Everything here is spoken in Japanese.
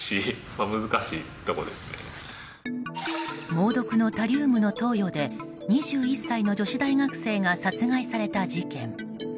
猛毒のタリウムの投与で２１歳の女子大学生が殺害された事件。